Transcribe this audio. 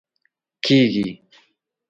کېږي